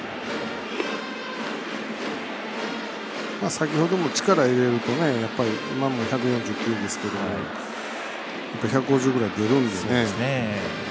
先ほども力入れると今も１４９ですけど１５０ぐらい出るんでね。